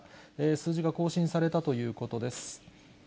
数字が更新されたということです。